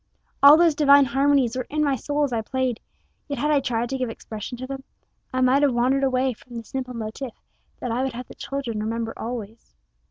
All those divine harmonies were in my soul as I played, yet had I tried to give expression to them, I might have wandered away from the simple motif that I would have the children remember always.